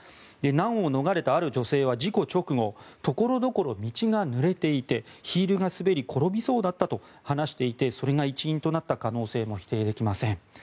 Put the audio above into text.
難を逃れたある女性は事故直後所々、道がぬれていてヒールが滑り転びそうだったと話していてそれが一因となった可能性も否定できません。